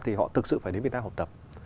thì họ thực sự phải đến việt nam học tập